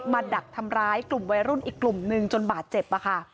ดักทำร้ายกลุ่มวัยรุ่นอีกกลุ่มนึงจนบาดเจ็บค่ะ